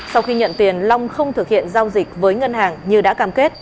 sau khi nhận tiền long không thực hiện giao dịch với ngân hàng như đã cam kết